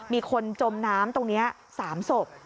มีคนจมน้ำตรงนี้๓ศพ